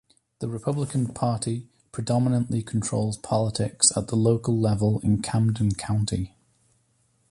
The Republican Party predominantly controls politics at the local level in Camden County.